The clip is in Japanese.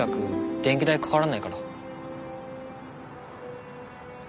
電気代かからないから。